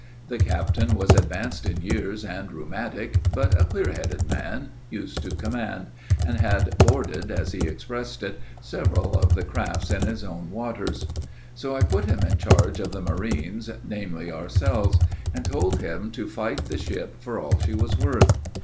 The captain was advanced in years and rheumatic, but a clearheaded man, used to command, and had 'boarded,' as he expressed it, 'several of the crafts in his own waters.' So I put him in charge of the marines, namely, ourselves, and told him to fight the ship for all she was worth.